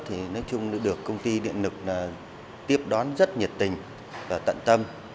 thì nói chung được công ty điện lực tiếp đón rất nhiệt tình và tận tâm